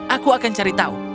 aku akan cari tahu